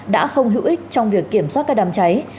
đã không hữu ích trong việc kiểm soát các đám cháy